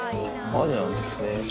アジなんですね。